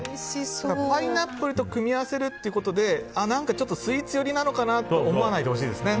パイナップルと組み合わせることでスイーツ寄りなのかなと思わないでほしいですね。